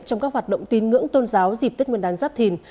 trong các hoạt động tin ngưỡng tôn giáo dịp tết nguyên đán giáp thìn